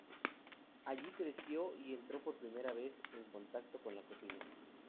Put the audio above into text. Allí creció y entró por primera vez en contacto con la cocina.